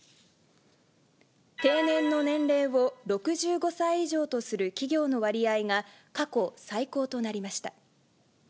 定年の年齢を６５歳以上とする企業の割合が、過去最高となりました。